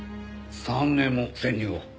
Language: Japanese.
３年も潜入を？